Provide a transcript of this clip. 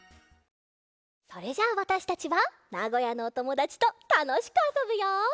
それじゃあわたしたちはなごやのおともだちとたのしくあそぶよ！